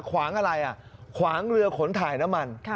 ขวางอะไรอ่ะขวางเรือขนถ่ายน้ำมัน